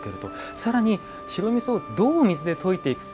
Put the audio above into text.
さらに、白みそをどう、水で溶いていくか。